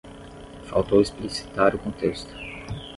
Faltou explicitar o contexto